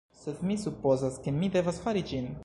Sed mi supozas ke mi devas fari ĝin!